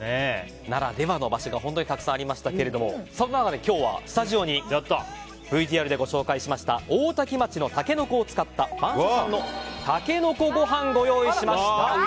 ならではの場所が本当にたくさんありましたがそんな中、今日はスタジオに、ＶＴＲでご紹介した大多喜町のタケノコを使った番所さんのタケノコご飯をご用意致しました。